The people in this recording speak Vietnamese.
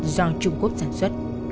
do trung quốc sản xuất